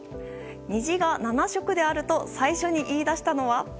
虹が７色であると最初に言い出したのは？